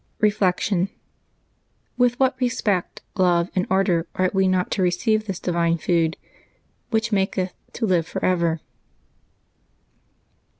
Reflection. — With what respect, love, and ardor ought we not to receive this divine food, "which maketh to live forever